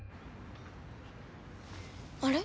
あれ？